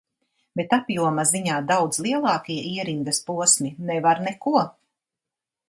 Bet apjoma ziņā daudz lielākie ierindas posmi nevar neko.